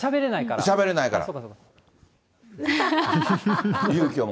しゃべれないから。